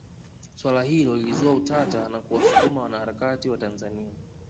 Swala hilo lilizua utata na kuwasukuma wanaharakati wa Tanzania